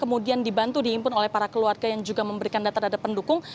kemudian dibantu diimpun oleh para keluarga yang juga memberikan data terhadap pendukung